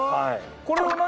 これは何？